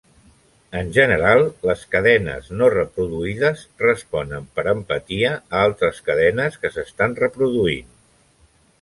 En general, les cadenes no reproduïdes responen per empatia a altres cadenes que s'estan reproduint.